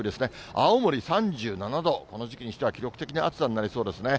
青森３７度、この時期にしては記録的な暑さになりそうですね。